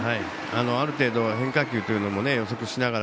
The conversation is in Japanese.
ある程度、変化球も予測しながら。